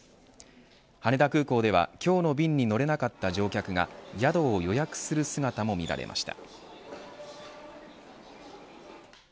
羽田空港では今日の便に乗れなかった乗客が宿を予約する姿も見られました。